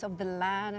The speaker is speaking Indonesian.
dan di mana memanfaatkan